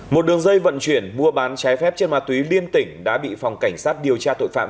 một đường dây vận chuyển mua bán trái phép trên ma túy liên tỉnh đã bị phòng cảnh sát điều tra tội phạm